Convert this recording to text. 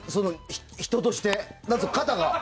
人として肩が。